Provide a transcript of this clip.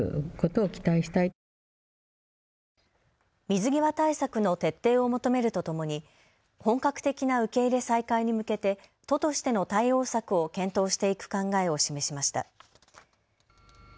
水際対策の徹底を求めるとともに本格的な受け入れ再開に向けて都としての対応策を検討していく考えを示しました。